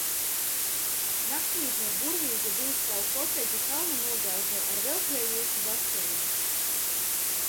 Naksmītne ir burvīga divstāvu kotedža kalna nogāzē, ar veldzējošu baseinu.